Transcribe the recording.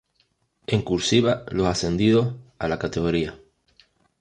En "cursiva" los ascendidos a la categoría.